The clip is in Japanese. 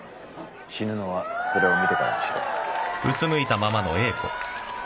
死ぬのはそれを見てからにしろ